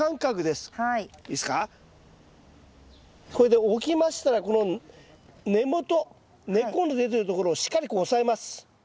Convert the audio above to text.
これで置きましたらこの根元根っこの出てるところをしっかりこう押さえます。